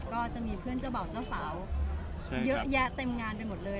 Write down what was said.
ก็จะมีเพื่อนเจ้าบ่าวเจ้าสาวเยอะแยะเต็มงานไปหมดเลย